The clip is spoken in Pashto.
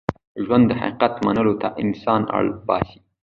ژوند د حقیقت منلو ته انسان اړ باسي.